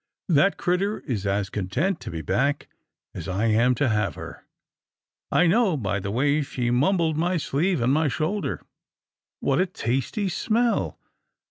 That critter is as content THE ARRIVAL OF MILKWEED 41 to be back as I am to have her. I know by the way she mumbled my sleeve and my shoulder — What a tasty smell